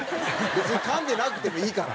別にかんでなくてもいいから。